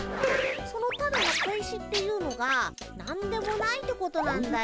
そのただの小石っていうのが何でもないってことなんだよ。